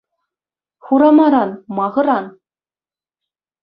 Хурамаран ма хӑран?